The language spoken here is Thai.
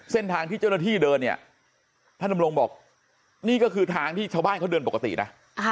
เส้นทางที่เจ้าหน้าที่เดินเนี่ยท่านดำรงบอกนี่ก็คือทางที่ชาวบ้านเขาเดินปกตินะ